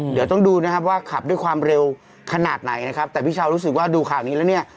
เดี๋ยวต้องดูนะครับว่าขับด้วยความเร็วขนาดไหนนะครับแต่พี่เช้ารู้สึกว่าดูข่าวนี้แล้วเนี่ย